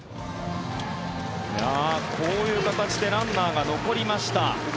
こういう形でランナーが残りました。